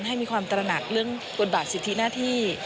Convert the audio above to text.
ให้มีความตระหนักเรื่องบทบาทสิทธิหน้าที่